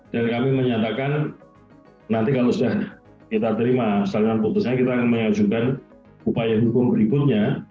dan kami menyatakan nanti kalau sudah kita terima setelah putusannya kita akan menyajukan upaya hukum berikutnya